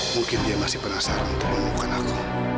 mungkin dia masih penasaran untuk menemukan aku